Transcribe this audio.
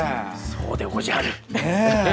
そうでごじゃる。